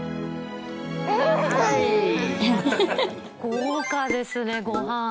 豪華ですねご飯。